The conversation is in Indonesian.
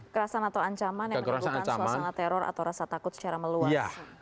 kerasan atau ancaman yang menimbulkan suasana teror atau rasa takut secara meluas